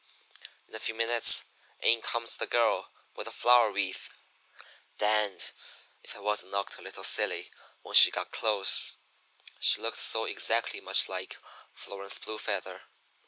"In a few minutes in comes the girl with the flower wreath. Danged if I wasn't knocked a little silly when she got close, she looked so exactly much like Florence Blue Feather.